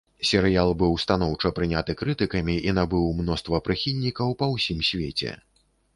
Серыял быў станоўча прыняты крытыкамі і набыў мноства прыхільнікаў па ўсім свеце.